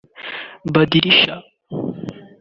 “Badilisha”